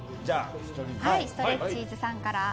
ストレッチーズさんから。